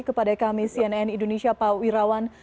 kepada kami cnn indonesia pak wirawan